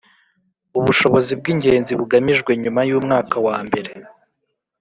ubushobozi bw’ingenzi bugamijwe nyuma y’umwaka wa mbere